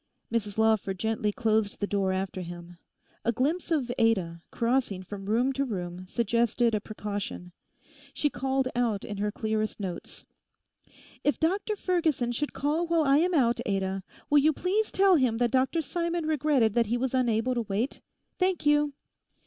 Mrs Lawford gently closed the door after him. A glimpse of Ada, crossing from room to room, suggested a precaution. She called out in her clearest notes. 'If Dr Ferguson should call while I am out, Ada, will you please tell him that Dr Simon regretted that he was unable to wait? Thank you.